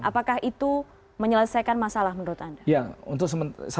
apakah itu menyelesaikan masalah menurut anda